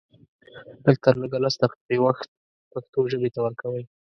لږ تر لږه لس دقيقې وخت پښتو ژبې ته ورکوئ